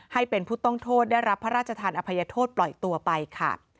ให้เป็นผู้ต้องโทษได้รับพระราชทานอภัยโทษปล่อยตัวไปค่ะ